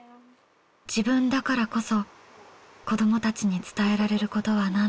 自分だからこそ子どもたちに伝えられることはなんだろう？